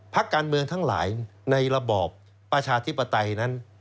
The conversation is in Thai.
พักการเมืองทั้งหลายในระบอบประชาธิปไตยนั้น